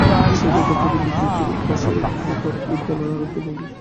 পার্শ্ববর্তী দমদমিয়া বিজিবি বিওপির পাশে তৈরি করেন তিনতলা আরও একটি ভবন।